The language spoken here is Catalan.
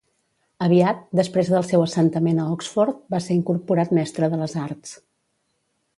Aviat, després del seu assentament a Oxford va ser incorporat mestre de les arts.